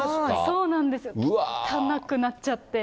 そうなんです、汚くなっちゃって。